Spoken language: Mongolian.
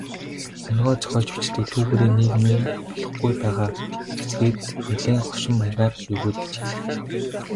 Онигоо зохиож бичдэг, түүгээрээ нийгмийн болохгүй байгаа хэсгийг нэлээн хошин маягаар егөөдөж илэрхийлдэг.